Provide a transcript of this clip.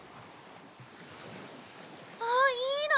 あっいいな！